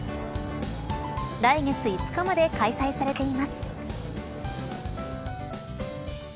来月５日まで開催されています。